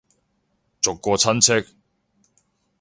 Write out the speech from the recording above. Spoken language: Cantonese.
逐個親戚